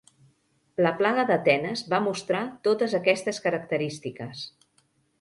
La plaga d'Atenes va mostrar totes aquestes característiques.